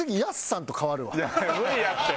無理やって！